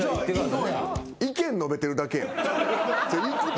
意見述べてるだけや。